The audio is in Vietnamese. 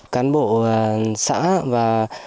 cán bộ xã và